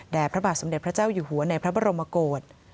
พระบาทสมเด็จพระเจ้าอยู่หัวในพระบรมกฏ